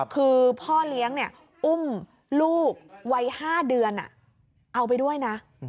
คือพ่อเลี้ยงอุ้มลูกวัย๕เดือนเอาไปด้วยนะ